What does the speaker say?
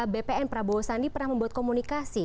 bpn prabowo sandi pernah membuat komunikasi